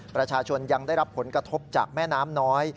ประชาชนยังได้รับผลกระทบจากแม่น้ำน้อย